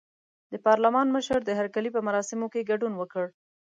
د پارلمان مشر د هرکلي په مراسمو کې ګډون وکړ.